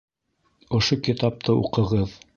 Ошо китапты уҡығыҙ.